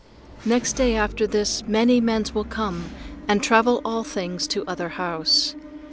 Next day after this many mens will come and travel all things to other house.